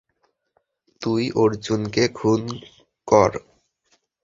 তুই অর্জুনকে খুন কর।